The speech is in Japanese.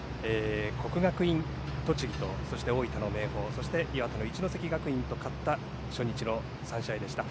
国学院栃木と大分の明豊そして、岩手の一関学院が勝った初日の３試合でした。